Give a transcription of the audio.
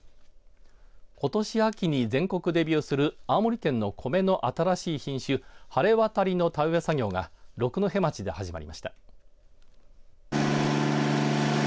ことし秋に全国デビューする青森県の米の新しい品種をはれわたりの田植え作業が六戸町で始まりました。